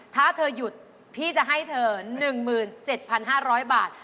ถ้าเธอหยุดพี่จะให้เธอ๑๗๕๐๐บาท